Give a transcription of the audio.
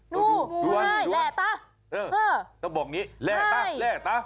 นู่แหละตะเออต้องบอกอย่างนี้แหละตะแหละตะ